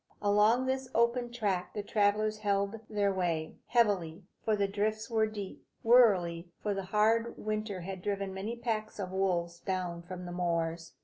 Along this open track the travellers held their way, heavily, for the drifts were deep; warily, for the hard winter had driven many packs of wolves down from the moors.